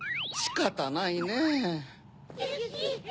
しかたないねぇ。